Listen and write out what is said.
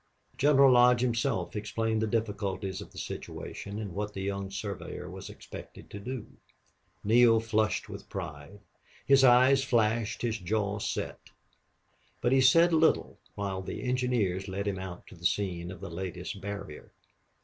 General Lodge himself explained the difficulties of the situation and what the young surveyor was expected to do. Neale flushed with pride; his eyes flashed; his jaw set. But he said little while the engineers led him out to the scene of the latest barrier.